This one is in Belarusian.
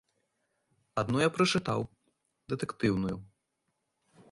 Адну я прачытаў, дэтэктыўную.